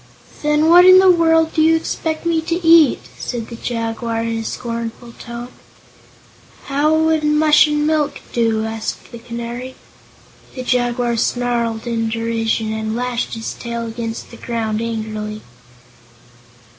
"Then what in the world do you expect me to eat?" said the Jaguar in a scornful tone. "How would mush and milk do?" asked the Canary. The Jaguar snarled in derision and lashed his tail against the ground angrily.